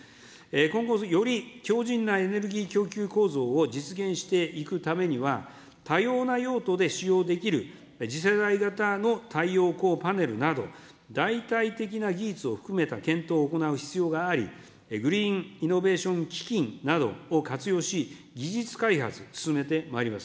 今後より強じんなエネルギー供給構造を実現していくためには、多様な用途で使用できる次世代型の太陽光パネルなど、だいたい的な技術を含めた検討を行う必要があり、グリーンイノベーション基金などを活用し、技術開発を進めてまいります。